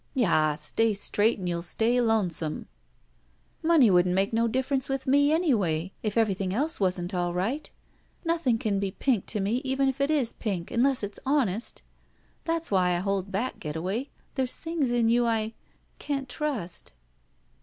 "'Yah, stay straight and youll stay lonesome." ^' Money wouldn't c:iake no difference with me, anyway, if everything else wasn't all right. Nothing can be pink to me even if it is pink, tmless it's honest. That's why I hold back, Getaway — ^there's things in you I — can't trust."